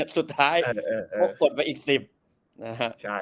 สุดท้ายก็กดไปอีก๑๐นะฮะ